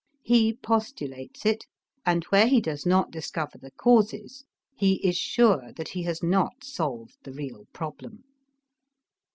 He postulates it, and where he does not discover the causes, he is sure that he has not solved the real problem.